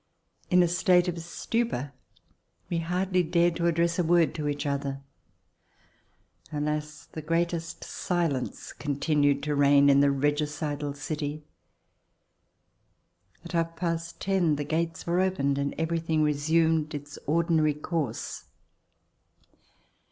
In a state of stupor, we hardly dared to address a word to each other. Alas, the greatest silence continued to reign in the regicidal city. At half past ten, the gates were opened and everything resumed its ordinary course.